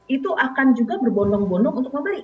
itu akan juga berbondong bondong untuk membeli